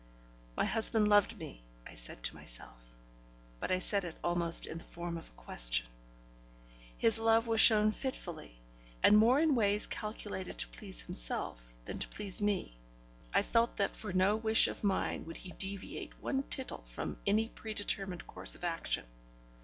My husband loved me, I said to myself, but I said it almost in the form of a question. His love was shown fitfully, and more in ways calculated to please himself than to please me. I felt that for no wish of mine would he deviate one tittle from any predetermined course of action.